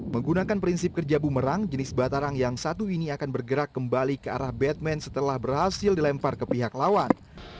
menggunakan prinsip kerja bumerang jenis batarang yang satu ini akan bergerak kembali ke arah batman setelah berhasil dilempar ke pihak lawan